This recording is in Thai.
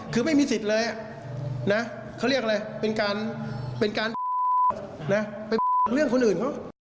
คือไม่มีสิทธิ์เลยนะเขาเรียกอะไรเป็นการเป็นการไปเรื่องคนอื่นเขา